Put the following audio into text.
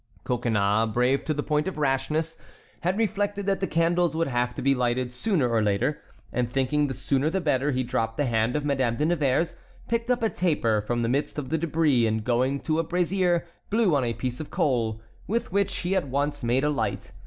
Coconnas, brave to the point of rashness, had reflected that the candles would have to be lighted sooner or later, and thinking the sooner the better, he dropped the hand of Madame de Nevers, picked up a taper from the midst of the débris, and going to a brazier blew on a piece of coal, with which he at once made a light.